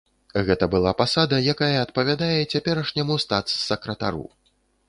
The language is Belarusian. Гэта была пасада, якая адпавядае цяперашняму статс-сакратару.